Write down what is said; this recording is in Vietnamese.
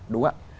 đúng không ạ